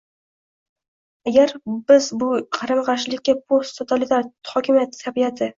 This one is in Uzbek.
Agar biz ushbu qarama-qarshilikka post totalitar hokimiyat tabiati